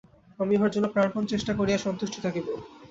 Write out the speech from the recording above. আমি উহার জন্য প্রাণপণ চেষ্টা করিয়াই সন্তুষ্ট থাকিব।